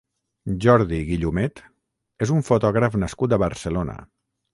Jordi Guillumet és un fotògraf nascut a Barcelona.